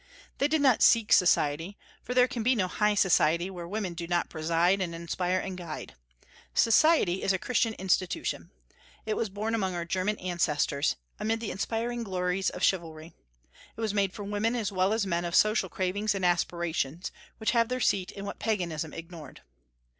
They did not seek society, for there can be no high society where women do not preside and inspire and guide. Society is a Christian institution. It was born among our German ancestors, amid the inspiring glories of chivalry. It was made for women as well as men of social cravings and aspirations, which have their seat in what Paganism ignored.